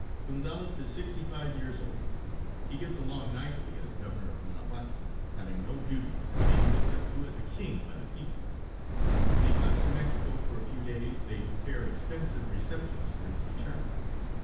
Gonzales is sixty five years old. He gets along nicely as Governor of Guanajuato, having no duties and being looked up to as a king by the people. When he comes to Mexico for a few days they prepare expensive receptions for his return.